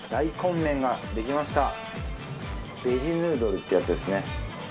ベジヌードルってやつですね。